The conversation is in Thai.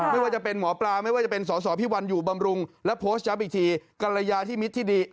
ไม่ว่าจะเป็นหมอปลาไม่ว่าจะเป็นสอสอพี่วันอยู่บำรุงและโพสต์ชัพอีกที